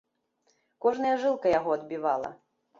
Кожная жылка яго адбівала.